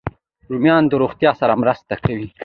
رومیان د روغتیا سره مرسته کوي